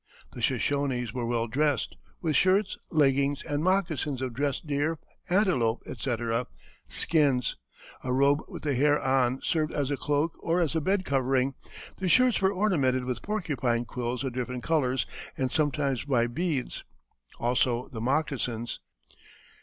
The Shoshones were well dressed, with shirts, leggings, and moccasins of dressed deer, antelope, etc., skins. A robe with the hair on served as a cloak or as a bed covering; the shirts were ornamented with porcupine quills of different colors and sometimes by beads, also the moccasins.